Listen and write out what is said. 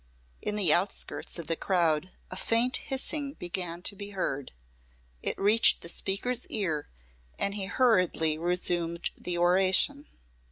In the outskirts of the crowd a faint hissing began to be heard. It reached the speaker's ear and he hurriedly resumed the oration.